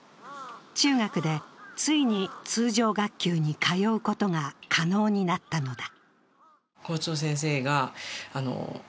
中学でついに通常学級に通うことが可能になったのだ。